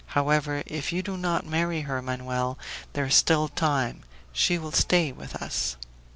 However, if you do not marry her, Manoel there is still time she will stay with us."